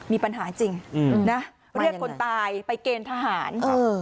มีปัญหาจริงนะเรียกคนตายไปเกณฑ์ทหาร